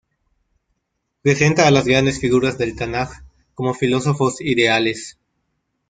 Presenta a las grandes figuras del Tanaj como filósofos ideales.